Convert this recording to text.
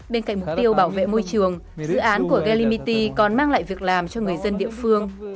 bên cạnh mục tiêu bảo vệ môi trường dự án của galimity còn mang lại việc làm cho người dân địa phương